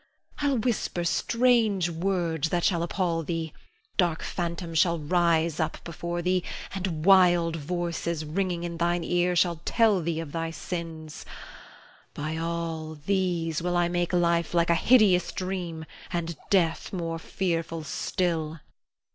I'll whisper strange words that shall appall thee; dark phantoms shall rise up before thee, and wild voices ringing in thine ear shall tell thee of thy sins. By all these will I make life like a hideous dream, and death more fearful still.